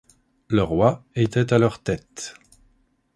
Le roi était à leur tête.